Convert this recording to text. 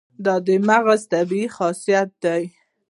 دا د مغز طبیعي خاصیت دی.